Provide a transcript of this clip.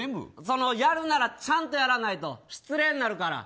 やるなら、ちゃんとやらないと失礼になるから。